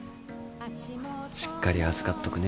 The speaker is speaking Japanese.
しっかり預かっとくね。